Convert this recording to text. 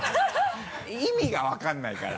意味が分かんないから。